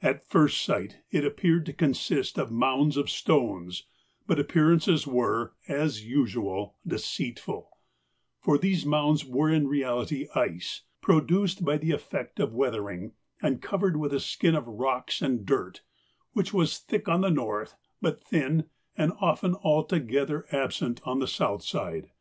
At first sight it appeared to consist of mounds of stones, but appearances were, as usual, deceitful; for these mounds were in reality of ice, produced by the effect of weathering, and covered with a skin of rocks and dirt, which was thick on the north, but thin and often altogether absent on the south side.